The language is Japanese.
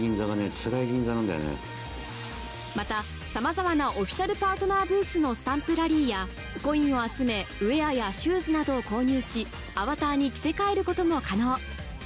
また、さまざまなオフィシャルパートナーブースもスタンプラリーやコインを集め、ウエアやシューズなどを購入し、アバターに着せ替えることも可能。